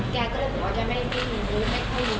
แกก็เลยบอกว่าแกไม่รู้ไม่เข้ารู้เรื่องตัวประพันธ์เท่าไหร่